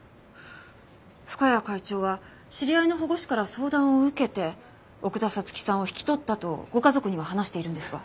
深谷会長は知り合いの保護司から相談を受けて奥田彩月さんを引き取ったとご家族には話しているんですが。